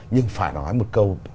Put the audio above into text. nhưng phải nói một câu